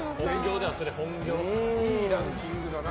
いいランキングだな。